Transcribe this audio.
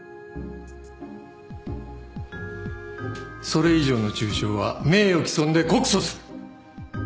それ以上の中傷は名誉毀損で告訴する。